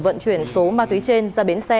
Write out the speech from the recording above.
vận chuyển số ma túy trên ra bến xe